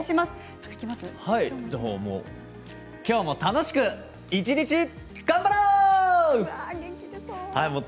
今日も楽しく一日頑張ろう！